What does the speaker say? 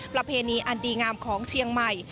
ประเพณีอันดีงามของเชียงใหม่